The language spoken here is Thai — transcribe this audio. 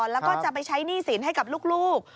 แล้วก็จะไปใช้หนี้สินให้กับลูก